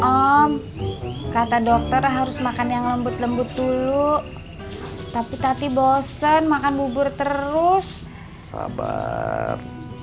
om kata dokter harus makan yang lembut lembut dulu tapi tati bosen makan bubur terus sabar